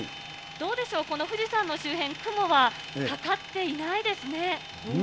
どうでしょう、この富士山の周辺、雲はかかっていないですね。